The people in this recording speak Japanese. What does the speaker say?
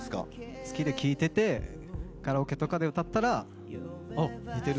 好きで聴いててカラオケとかで歌ったら。